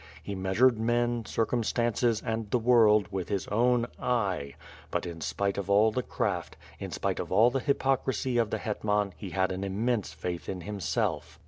He meas ured men, circumstances, and the world, with his own "I;" but in spite of all the craft, in spite of all the hypocrisy of the hetman he had an immense faith in himself.